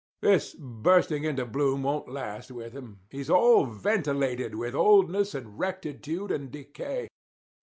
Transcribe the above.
This bursting into bloom won't last with him. He's all ventilated with oldness and rectitude and decay.